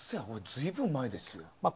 随分前ですよ。